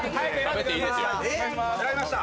選びました。